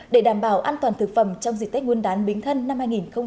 để đảm bảo an toàn thực phẩm trong dịch tết nguồn đán bình thân năm hai nghìn một mươi sáu